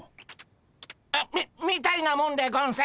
みみたいなもんでゴンス。